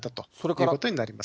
いうことになります。